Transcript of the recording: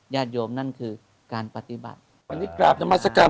ญาติโยมนั่นคือการปฏิบัติวันนี้กราบนามัศกาล